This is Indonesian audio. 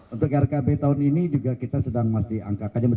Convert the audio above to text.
untuk rkb tahun ini juga kita sedang masih angkanya